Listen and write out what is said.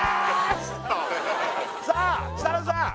さあ設楽さん